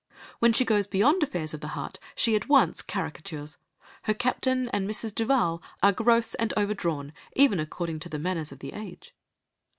When she goes beyond affairs of the heart she at once caricatures; her Captain and Mrs. Duval are gross and overdrawn even according to the manners of the age.